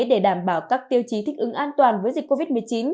để đảm bảo các tiêu chí thích ứng an toàn với dịch covid một mươi chín